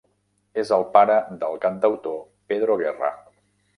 És el pare del cantautor Pedro Guerra.